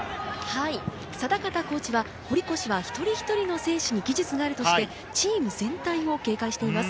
定方コーチは堀越は一人一人の選手に技術があるとして、チーム全体を警戒しています。